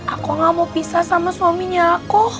aku gak mau pisah sama suaminya aku